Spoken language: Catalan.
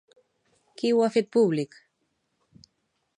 Qui ho ha fet públic?